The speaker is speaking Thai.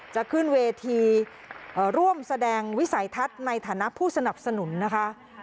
จะขึ้นเวทีร่วมแสดงวิสัยทัศน์ในฐานะผู้สนับสนุนนะคะ